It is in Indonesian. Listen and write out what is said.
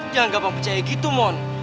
jangan gampang percaya gitu mohon